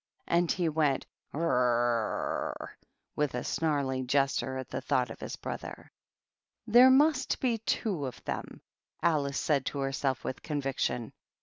And he went " Grr r r r rr," with a snarling gesture, at the thought of his brother. "There must be two of them," Alice said to herself, with conviction.